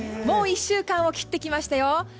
もう１週間を切ってきましたよ。